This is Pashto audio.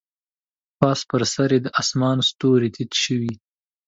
پاس پر سر یې د اسمان ستوري تت شوي